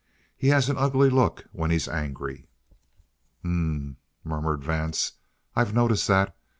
He has an ugly look when he's angry." "H'm," murmured Vance. "I've noticed that.